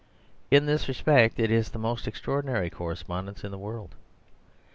In this respect it is the most extraordinary correspondence in the world.